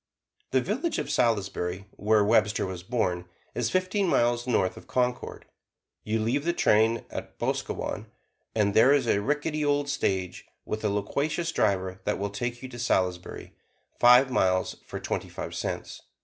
The village of Salisbury, where Webster was born, is fifteen miles north of Concord. You leave the train at Boscowan, and there is a rickety old stage, with a loquacious driver, that will take you to Salisbury, five miles, for twenty five cents.